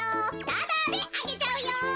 ただであげちゃうよ。